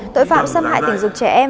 tội phạm xâm hại tình dục trẻ em